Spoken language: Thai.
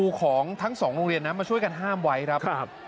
ของทั้งสองโรงเรียนนะมาช่วยกันห้ามไว้ครับ